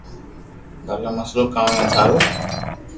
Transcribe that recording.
ڀلا مسلو ڪاو ھي ٿارو